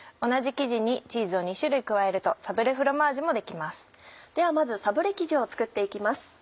同じ生地にチーズを２種類加えると「サブレフロマージュ」もできます。